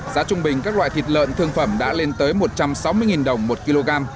giá trung bình các loại thịt lợn thương phẩm đã lên tới một trăm sáu mươi đồng một kg